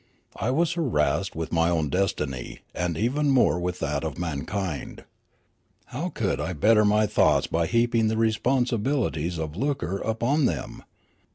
I was har assed with my own dcstiii}' and even more with that of mankind. How could I better my thoughts by heaping the responsibilities of lucre upon them